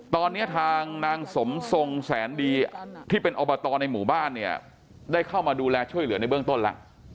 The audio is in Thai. ตอนนี้ทางนางสมทรงแสนดีที่เป็นอบตในหมู่บ้านเนี่ยได้เข้ามาดูแลช่วยเหลือในเบื้องต้นแล้ว